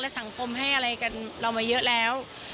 สังคมให้อะไรกันเรามาเยอะแล้ว